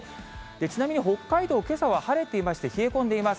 ちなみに北海道、けさは晴れていまして、冷え込んでいます。